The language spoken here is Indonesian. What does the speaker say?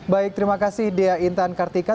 baik terima kasih dea intan kartika